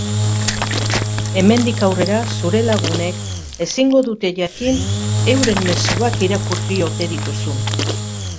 Hemendik aurrera zure lagunek ezingo dute jakin euren mezuak irakurri ote dituzun.